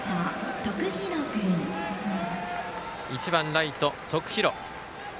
１番、ライト徳弘